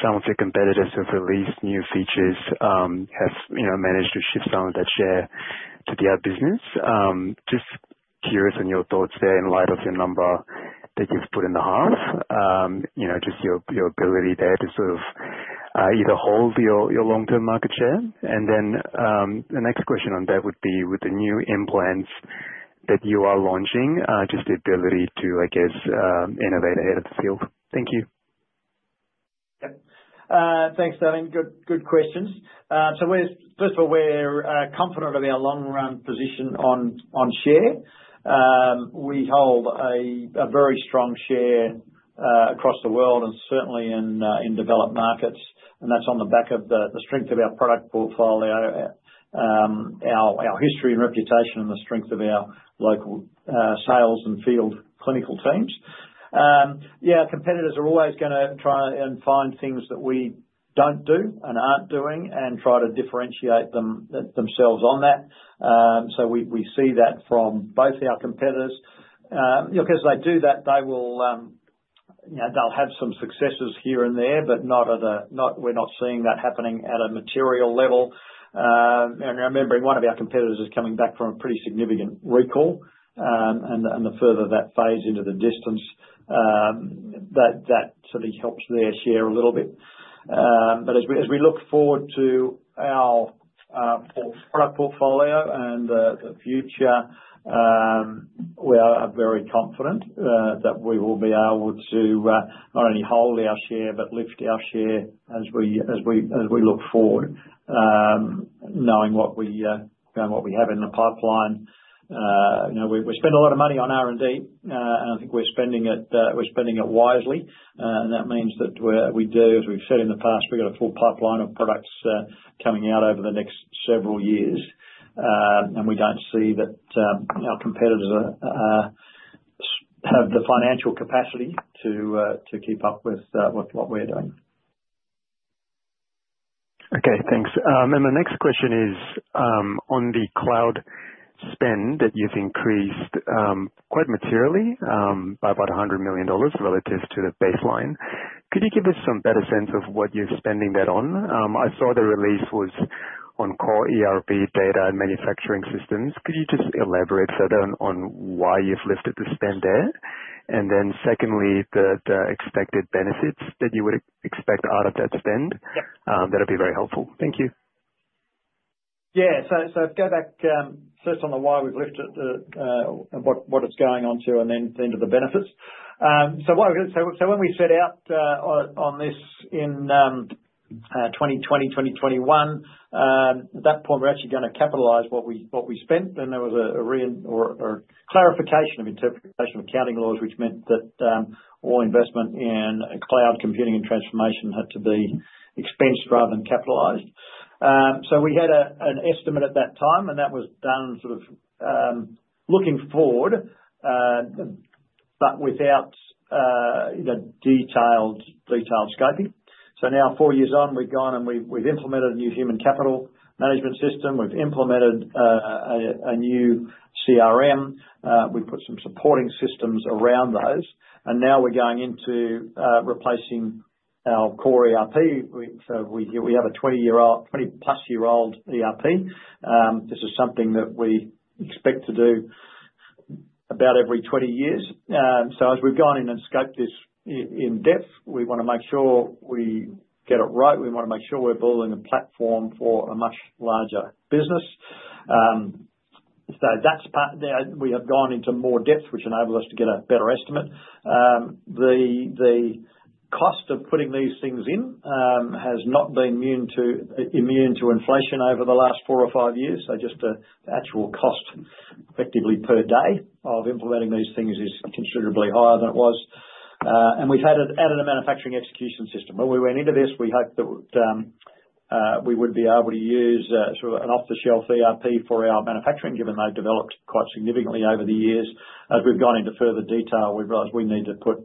some of your competitors have released new features, have managed to shift some of that share to the other business. Just curious on your thoughts there in light of the number that you've put in the half, just your ability there to sort of either hold your long-term market share. And then the next question on that would be, with the new implants that you are launching, just the ability to, I guess, innovate ahead of the field. Thank you. Yep. Thanks, Dani. Good questions. So first of all, we're confident of our long-run position on share. We hold a very strong share across the world and certainly in developed markets. And that's on the back of the strength of our product portfolio, our history and reputation, and the strength of our local sales and field clinical teams. Yeah, competitors are always going to try and find things that we don't do and aren't doing and try to differentiate themselves on that. So we see that from both our competitors. Because they do that, they will have some successes here and there, but we're not seeing that happening at a material level. And remembering, one of our competitors is coming back from a pretty significant recall, and the further that fades into the distance, that certainly helps their share a little bit. But as we look forward to our product portfolio and the future, we are very confident that we will be able to not only hold our share but lift our share as we look forward, knowing what we have in the pipeline. We spend a lot of money on R&D, and I think we're spending it wisely. And that means that we do, as we've said in the past, we've got a full pipeline of products coming out over the next several years, and we don't see that our competitors have the financial capacity to keep up with what we're doing. Okay. Thanks, and the next question is on the cloud spend that you've increased quite materially by about 100 million dollars relative to the baseline. Could you give us some better sense of what you're spending that on? I saw the release was on core ERP data and manufacturing systems. Could you just elaborate further on why you've lifted the spend there? And then secondly, the expected benefits that you would expect out of that spend? That'd be very helpful. Thank you. Yeah. So go back first on the why we've lifted what it's going on to and then the benefits. So when we set out on this in 2020, 2021, at that point, we're actually going to capitalize what we spent. And there was a clarification of interpretation of accounting laws, which meant that all investment in cloud computing and transformation had to be expensed rather than capitalized. So we had an estimate at that time, and that was done sort of looking forward but without detailed scoping. So now, four years on, we've gone and we've implemented a new human capital management system. We've implemented a new CRM. We've put some supporting systems around those. And now we're going into replacing our core ERP. So we have a 20-plus-year-old ERP. This is something that we expect to do about every 20 years. So as we've gone in and scoped this in depth, we want to make sure we get it right. We want to make sure we're building a platform for a much larger business. So we have gone into more depth, which enables us to get a better estimate. The cost of putting these things in has not been immune to inflation over the last four or five years. So just the actual cost, effectively per day of implementing these things is considerably higher than it was. And we've added a manufacturing execution system. When we went into this, we hoped that we would be able to use sort of an off-the-shelf ERP for our manufacturing, given they've developed quite significantly over the years. As we've gone into further detail, we've realized we need to put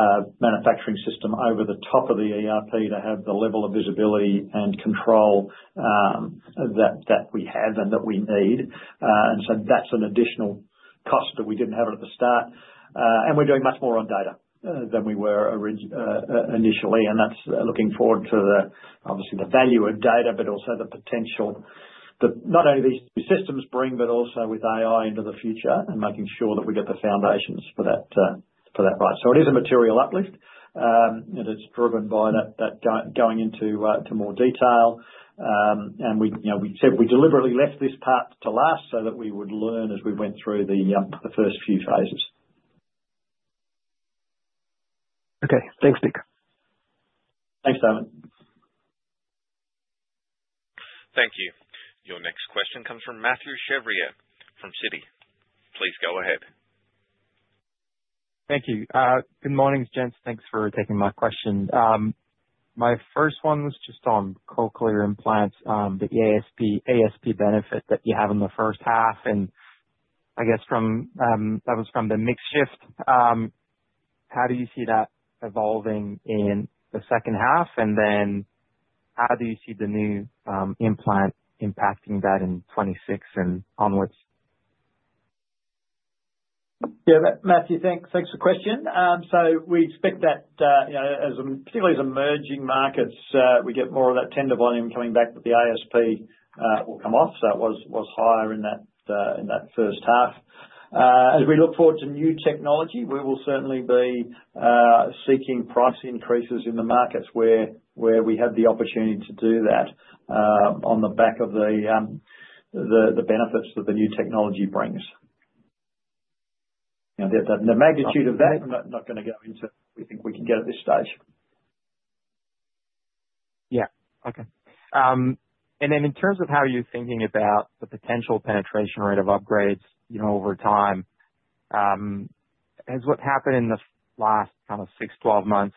a manufacturing system over the top of the ERP to have the level of visibility and control that we have and that we need. And so that's an additional cost that we didn't have at the start. And we're doing much more on data than we were initially. And that's looking forward to, obviously, the value of data, but also the potential that not only these systems bring, but also with AI into the future and making sure that we get the foundations for that right. So it is a material uplift, and it's driven by that going into more detail. And we said we deliberately left this part to last so that we would learn as we went through the first few phases. Okay. Thanks, Dig. Thanks, Dani. Thank you. Your next question comes from Mathieu Chevrier from Citi. Please go ahead. Thank you. Good morning, Dig. Thanks for taking my question. My first one was just on Cochlear implants, the ASP benefit that you have in the first half, and I guess that was from the mix shift. How do you see that evolving in the second half, and then how do you see the new implant impacting that in 2026 and onwards? Yeah. Mathieu, thanks for the question. So we expect that, particularly as emerging markets, we get more of that tender volume coming back, but the ASP will come off. So it was higher in that first half. As we look forward to new technology, we will certainly be seeking price increases in the markets where we have the opportunity to do that on the back of the benefits that the new technology brings. The magnitude of that, I'm not going to go into. We think we can get at this stage. Yeah. Okay. And then in terms of how you're thinking about the potential penetration rate of upgrades over time, has what happened in the last kind of six, 12 months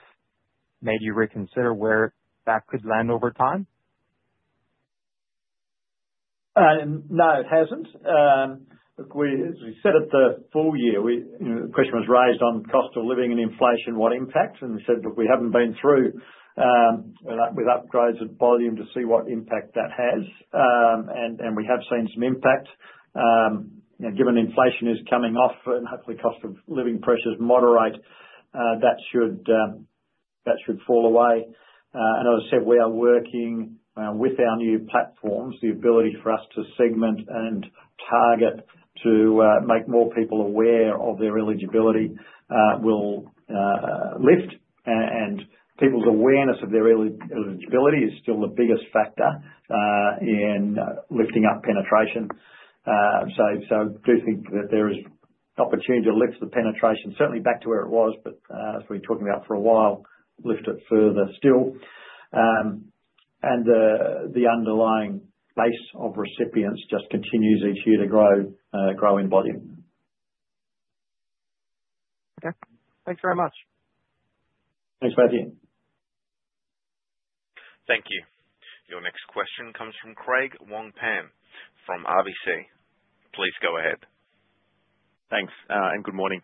made you reconsider where that could land over time? No, it hasn't. As we said at the full year, the question was raised on cost of living and inflation, what impact? And we said that we haven't been through with upgrades of volume to see what impact that has. And we have seen some impact. Given inflation is coming off and hopefully cost of living pressures moderate, that should fall away. And as I said, we are working with our new platforms. The ability for us to segment and target to make more people aware of their eligibility will lift. And people's awareness of their eligibility is still the biggest factor in lifting up penetration. So I do think that there is opportunity to lift the penetration, certainly back to where it was, but as we've been talking about for a while, lift it further still. The underlying base of recipients just continues each year to grow in volume. Okay. Thanks very much. Thanks, Mathieu. Thank you. Your next question comes from Craig Wong-Pan from RBC. Please go ahead. Thanks. And good morning.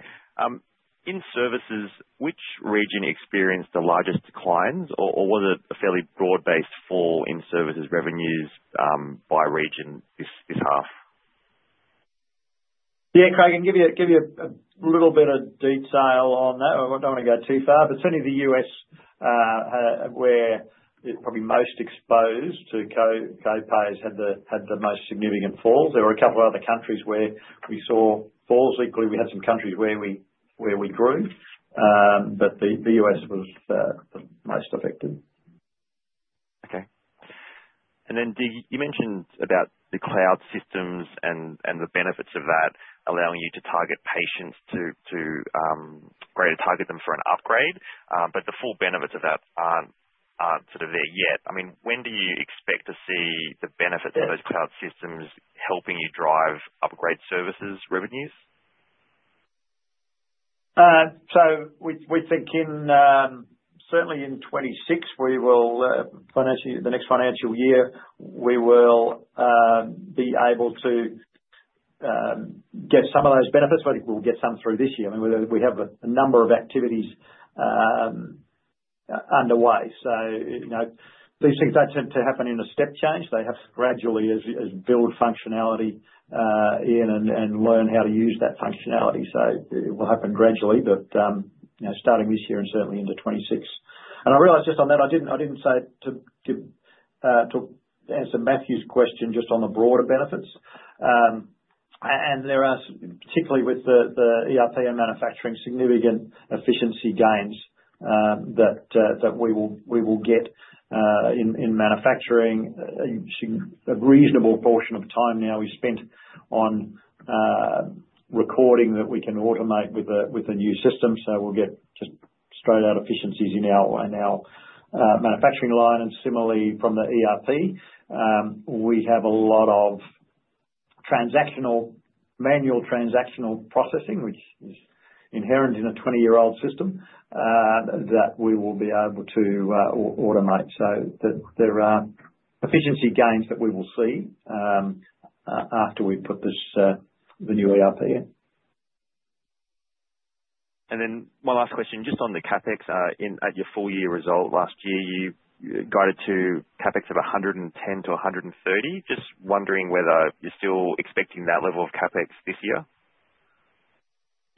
In services, which region experienced the largest declines, or was it a fairly broad-based fall in services revenues by region this half? Yeah, Craig, I can give you a little bit of detail on that. I don't want to go too far, but certainly the U.S., where it's probably most exposed to co-pays, had the most significant falls. There were a couple of other countries where we saw falls. Equally, we had some countries where we grew, but the U.S. was the most affected. Okay. And then you mentioned about the cloud systems and the benefits of that, allowing you to target patients to greater target them for an upgrade. But the full benefits of that aren't sort of there yet. I mean, when do you expect to see the benefits of those cloud systems helping you drive upgrade services revenues? So we think certainly in 2026, the next financial year, we will be able to get some of those benefits, but we'll get some through this year. I mean, we have a number of activities underway. These things don't tend to happen in a step change. They have to gradually build functionality in and learn how to use that functionality. So it will happen gradually, but starting this year and certainly into 2026. And I realize just on that, I didn't say to answer Mathieu's question just on the broader benefits. And there are, particularly with the ERP and manufacturing, significant efficiency gains that we will get in manufacturing. A reasonable portion of time now we spent on recording that we can automate with the new system. So we'll get just straight-out efficiencies in our manufacturing line. Similarly, from the ERP, we have a lot of manual transactional processing, which is inherent in a 20-year-old system that we will be able to automate. There are efficiency gains that we will see after we put the new ERP in. And then one last question. Just on the CapEx, at your full-year result last year, you guided to CapEx of 110 million-130 million. Just wondering whether you're still expecting that level of CapEx this year?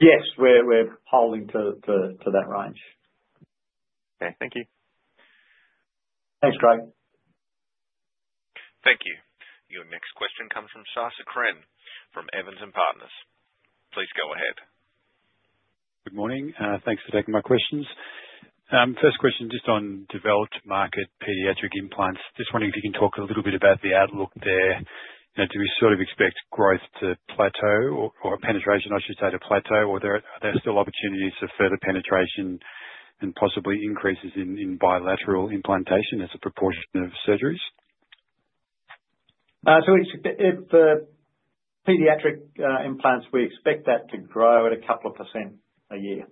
Yes. We're holding to that range. Okay. Thank you. Thanks, Craig. Thank you. Your next question comes from Sacha Krenn from Evans & Partners. Please go ahead. Good morning. Thanks for taking my questions. First question, just on developed market pediatric implants. Just wondering if you can talk a little bit about the outlook there. Do we sort of expect growth to plateau or penetration, I should say, to plateau, or are there still opportunities for further penetration and possibly increases in bilateral implantation as a proportion of surgeries? For pediatric implants, we expect that to grow at a couple of percent a year,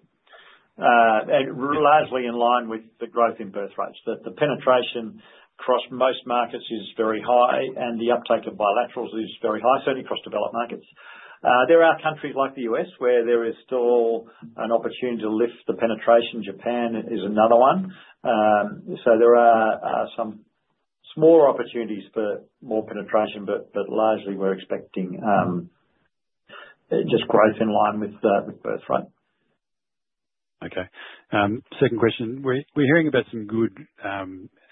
largely in line with the growth in birth rates. The penetration across most markets is very high, and the uptake of bilaterals is very high, certainly across developed markets. There are countries like the U.S. where there is still an opportunity to lift the penetration. Japan is another one. There are some small opportunities for more penetration, but largely we're expecting just growth in line with birth rate. Okay. Second question. We're hearing about some good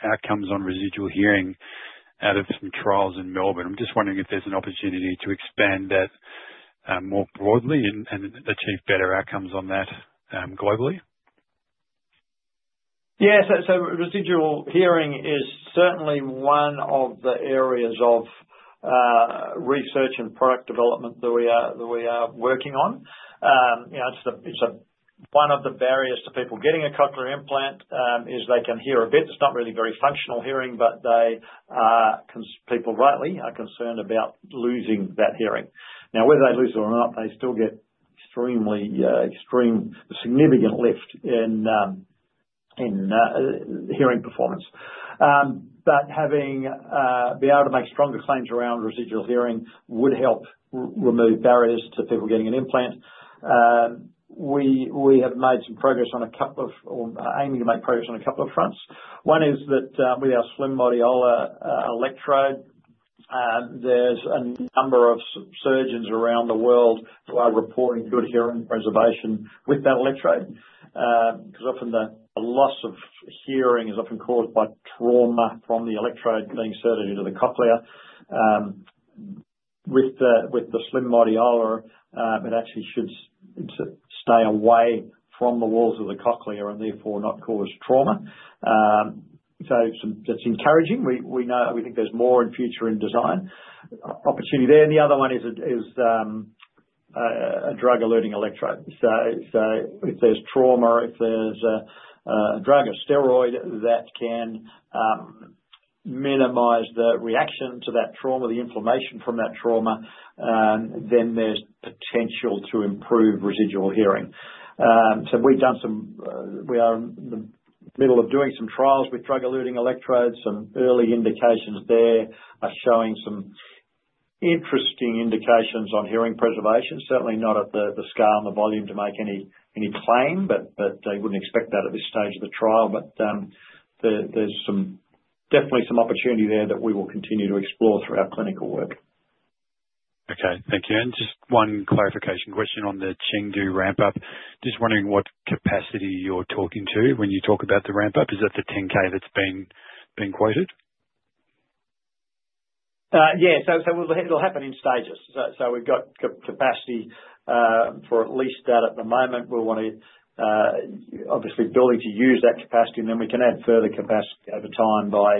outcomes on residual hearing out of some trials in Melbourne. I'm just wondering if there's an opportunity to expand that more broadly and achieve better outcomes on that globally. Yeah. So residual hearing is certainly one of the areas of research and product development that we are working on. It's one of the barriers to people getting a cochlear implant. They can hear a bit. It's not really very functional hearing, but people rightly are concerned about losing that hearing. Now, whether they lose it or not, they still get extremely significant lift in hearing performance. But having been able to make stronger claims around residual hearing would help remove barriers to people getting an implant. We have made some progress on a couple of, or aiming to make progress on a couple of, fronts. One is that with our Slim Modiolar electrode, there's a number of surgeons around the world who are reporting good hearing preservation with that electrode because often the loss of hearing is caused by trauma from the electrode being inserted into the cochlea. With the Slim Modiolar, it actually should stay away from the walls of the cochlea and therefore not cause trauma. So that's encouraging. We think there's more in future in design opportunity there. And the other one is a drug-eluting electrode. So if there's trauma, if there's a drug or steroid that can minimize the reaction to that trauma, the inflammation from that trauma, then there's potential to improve residual hearing. So we are in the middle of doing some trials with drug-eluting electrodes. Some early indications there are showing some interesting indications on hearing preservation. Certainly not at the scale and the volume to make any claim, but I wouldn't expect that at this stage of the trial. But there's definitely some opportunity there that we will continue to explore through our clinical work. Okay. Thank you. And just one clarification question on the Chengdu ramp-up. Just wondering what capacity you're talking to when you talk about the ramp-up. Is that the 10,000 that's been quoted? Yeah. So it'll happen in stages. So we've got capacity for at least that at the moment. We'll want to obviously be willing to use that capacity, and then we can add further capacity over time by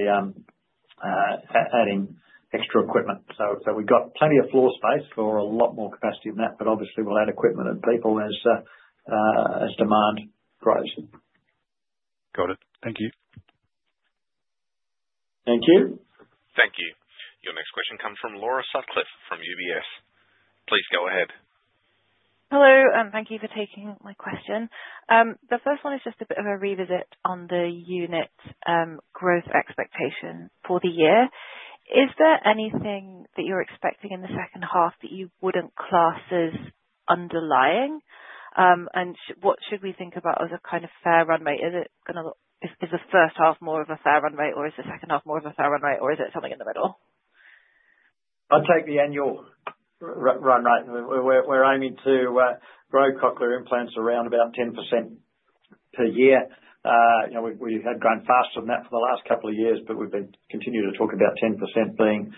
adding extra equipment. So we've got plenty of floor space for a lot more capacity than that, but obviously we'll add equipment and people as demand grows. Got it. Thank you. Thank you. Thank you. Your next question comes from Laura Sutcliffe from UBS. Please go ahead. Hello, and thank you for taking my question. The first one is just a bit of a revisit on the unit growth expectation for the year. Is there anything that you're expecting in the second half that you wouldn't class as underlying? And what should we think about as a kind of fair run rate? Is the first half more of a fair run rate, or is the second half more of a fair run rate, or is it something in the middle? I'd take the annual run rate. We're aiming to grow Cochlear implants around about 10% per year. We had grown faster than that for the last couple of years, but we've been continuing to talk about 10% being,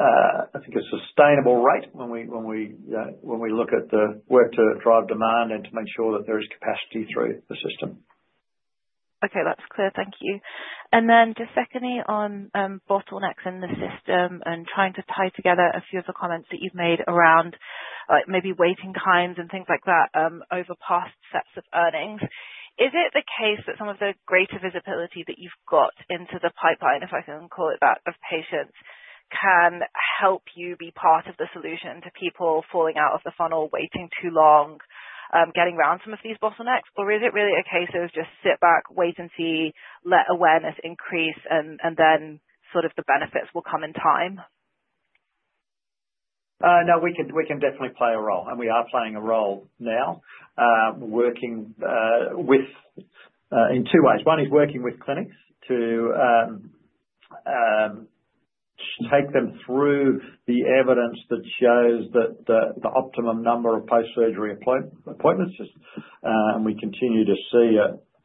I think, a sustainable rate when we look at the work to drive demand and to make sure that there is capacity through the system. Okay. That's clear. Thank you. And then just secondly on bottlenecks in the system and trying to tie together a few of the comments that you've made around maybe waiting times and things like that over past sets of earnings. Is it the case that some of the greater visibility that you've got into the pipeline, if I can call it that, of patients can help you be part of the solution to people falling out of the funnel, waiting too long, getting around some of these bottlenecks? Or is it really a case of just sit back, wait and see, let awareness increase, and then sort of the benefits will come in time? No, we can definitely play a role, and we are playing a role now, working in two ways. One is working with clinics to take them through the evidence that shows that the optimum number of post-surgery appointments. And we continue to see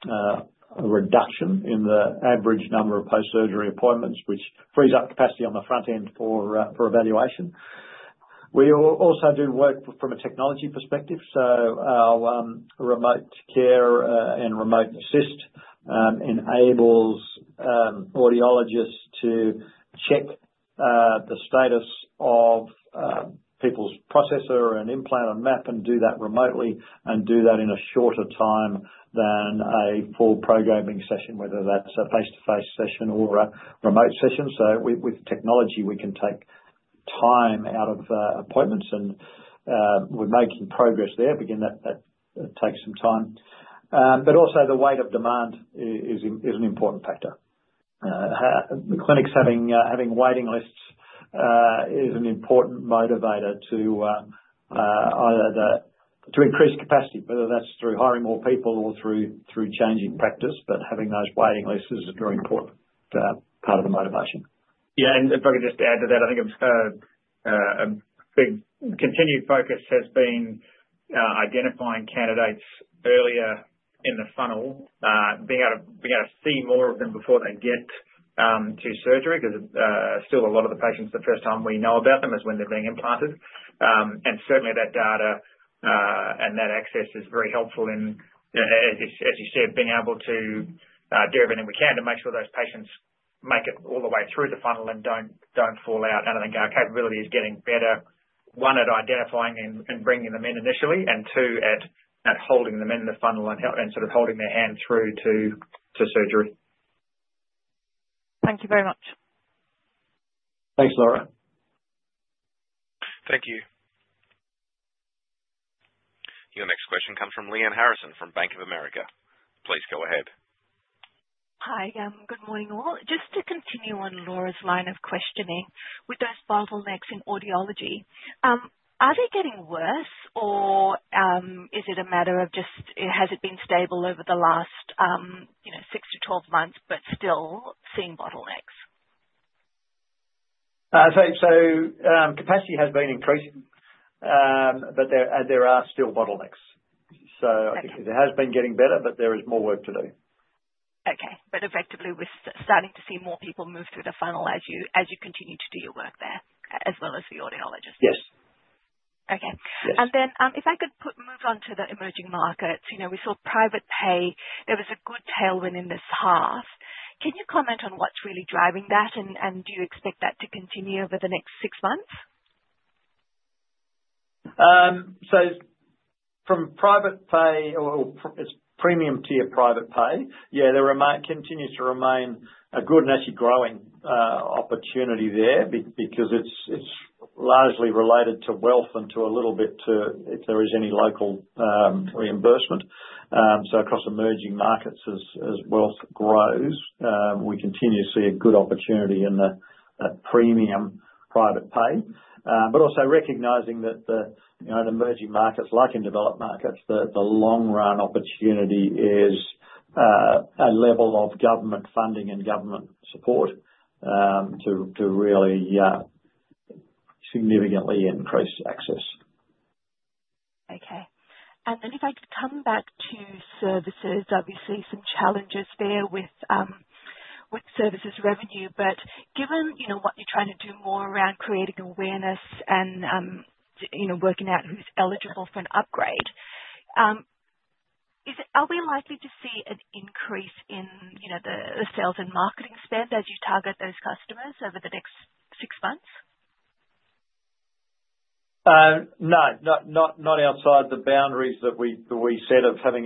a reduction in the average number of post-surgery appointments, which frees up capacity on the front end for evaluation. We also do work from a technology perspective. So our Remote Care and Remote Assist enables audiologists to check the status of people's processor and implant and map and do that remotely and do that in a shorter time than a full programming session, whether that's a face-to-face session or a remote session. So with technology, we can take time out of appointments, and we're making progress there. But again, that takes some time. But also the weight of demand is an important factor. The clinics having waiting lists is an important motivator to increase capacity, whether that's through hiring more people or through changing practice, but having those waiting lists is a very important part of the motivation. Yeah. And if I could just add to that, I think a big continued focus has been identifying candidates earlier in the funnel, being able to see more of them before they get to surgery because still a lot of the patients, the first time we know about them is when they're being implanted. And certainly that data and that access is very helpful in, as you said, being able to do everything we can to make sure those patients make it all the way through the funnel and don't fall out. And I think our capability is getting better, one, at identifying and bringing them in initially, and two, at holding them in the funnel and sort of holding their hand through to surgery. Thank you very much. Thanks, Laura. Thank you. Your next question comes from Lyanne Harrison from Bank of America. Please go ahead. Hi. Good morning, all. Just to continue on Laura's line of questioning, with those bottlenecks in audiology, are they getting worse, or is it a matter of just has it been stable over the last six to 12 months but still seeing bottlenecks? So capacity has been increasing, but there are still bottlenecks. So it has been getting better, but there is more work to do. Okay, but effectively, we're starting to see more people move through the funnel as you continue to do your work there as well as the audiologists? Yes. Okay, and then if I could move on to the emerging markets. We saw private pay. There was a good tailwind in this half. Can you comment on what's really driving that, and do you expect that to continue over the next six months? From private pay or premium-tier private pay, yeah, there continues to remain a good and actually growing opportunity there because it's largely related to wealth and to a little bit to if there is any local reimbursement. Across emerging markets, as wealth grows, we continue to see a good opportunity in that premium private pay. But also recognizing that in emerging markets, like in developed markets, the long-run opportunity is a level of government funding and government support to really significantly increase access. Okay. And then if I could come back to services, obviously some challenges there with services revenue. But given what you're trying to do more around creating awareness and working out who's eligible for an upgrade, are we likely to see an increase in the sales and marketing spend as you target those customers over the next six months? No. Not outside the boundaries that we set of having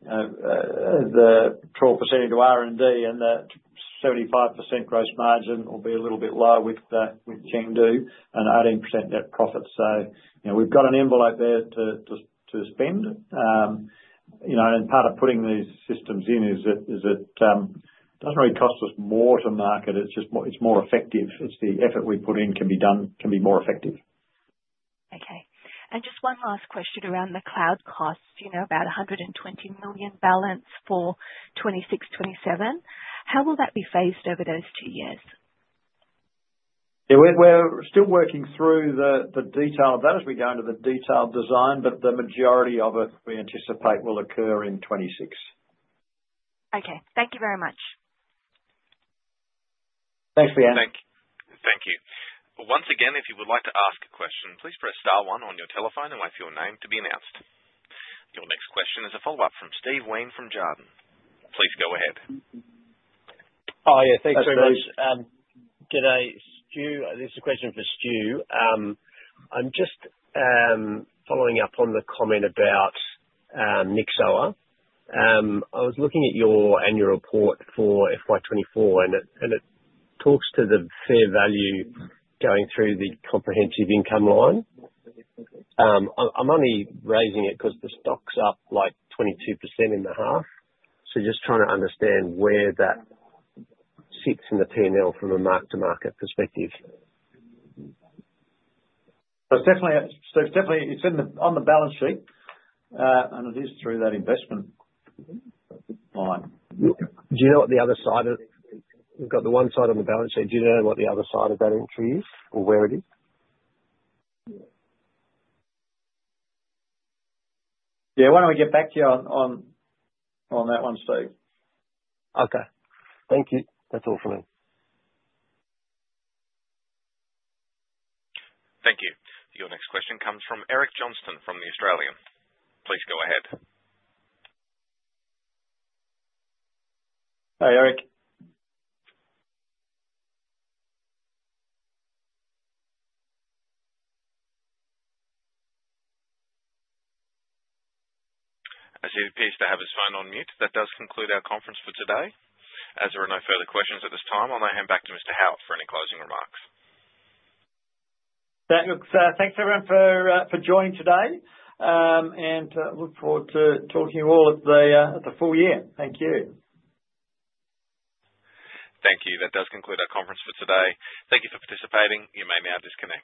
the 12% into R&D and that 75% gross margin will be a little bit lower with Chengdu and 18% net profit. So we've got an envelope there to spend. And part of putting these systems in is it doesn't really cost us more to market. It's more effective. It's the effort we put in can be more effective. Okay. And just one last question around the cloud costs, about 120 million balance for 2026, 2027. How will that be phased over those two years? Yeah. We're still working through the detail of that as we go into the detailed design, but the majority of it we anticipate will occur in 2026. Okay. Thank you very much. Thanks, Lyanne. Thank you. Once again, if you would like to ask a question, please press star one on your telephone and wait for your name to be announced. Your next question is a follow-up from Steve Wheen from Jarden. Please go ahead. Oh, yeah. Thanks very much. Hi, folks. Gooday, Stu. This is a question for Stu. I'm just following up on the comment about Nyxoah. I was looking at your annual report for FY 2024, and it talks to the fair value going through the comprehensive income line. I'm only raising it because the stock's up like 22% in the half. So just trying to understand where that sits in the P&L from a mark-to-market perspective. It's definitely on the balance sheet, and it is through that investment line. Do you know what the other side is? We've got the one side on the balance sheet. Do you know what the other side of that entry is or where it is? Yeah. Why don't we get back to you on that one, Steve? Okay. Thank you. That's all from me. Thank you. Your next question comes from Eric Johnston from The Australian. Please go ahead. Hi, Eric. As he appears to have his phone on mute, that does conclude our conference for today. As there are no further questions at this time, I'll now hand back to Mr. Howitt for any closing remarks. Thanks, everyone, for joining today, and look forward to talking to you all at the full year. Thank you. Thank you. That does conclude our conference for today. Thank you for participating. You may now disconnect.